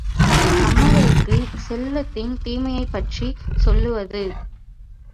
நம்மவருக்குச் செல்வத்தின் தீமையைப்பற்றிச் சொல்லுவது.